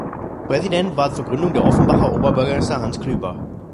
Präsident war zur Gründung der Offenbacher Oberbürgermeister Hans Klüber.